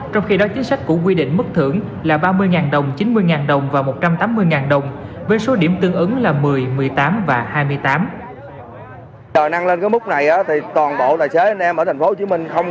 trong khi đó chính sách của quy định mức thưởng là ba mươi đồng chín mươi đồng và một trăm tám mươi đồng